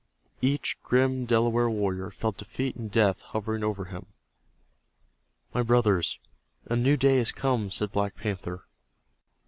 Each grim Delaware warrior felt defeat and death hovering over him. "My brothers, a new day has come," said Black Panther.